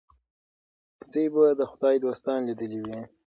دوی به د خدای دوستان لیدلي وي.